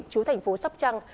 chú thành phố sóc trăng